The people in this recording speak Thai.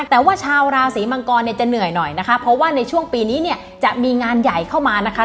แต่ว่าชาวราศีมังกรเนี่ยจะเหนื่อยหน่อยนะคะเพราะว่าในช่วงปีนี้เนี่ยจะมีงานใหญ่เข้ามานะคะ